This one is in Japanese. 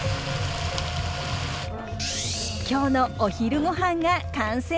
今日のお昼ごはんが完成しました！